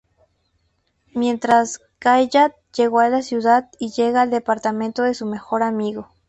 Mientras, Caillat llegó a la ciudad, y llega al departamento de su mejor amigo.